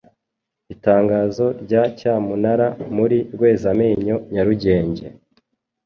Itangazo rya Cyamunara muri Rwezamenyo Nyarugenge